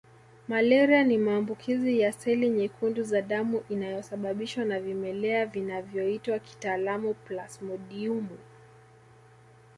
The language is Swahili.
Malaria ni maambukizi ya seli nyekundu za damu inayosababishwa na vimelea vinavyoitwa kitaalamu Plasmodiumu